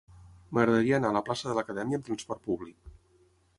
M'agradaria anar a la plaça de l'Acadèmia amb trasport públic.